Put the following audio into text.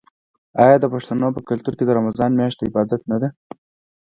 آیا د پښتنو په کلتور کې د رمضان میاشت د عبادت نه ده؟